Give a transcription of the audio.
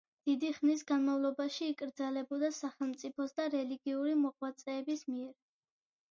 დიდი ხნის განმავლობაში იკრძალებოდა სახელმწიფოს და რელიგიური მოღვაწეების მიერ.